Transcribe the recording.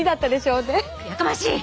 やかましい！